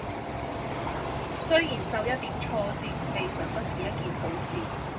雖然受一點挫折未嘗不是一件好事！